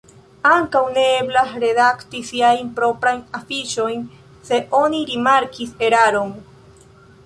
Ankaŭ ne eblas redakti siajn proprajn afiŝojn, se oni rimarkis eraron.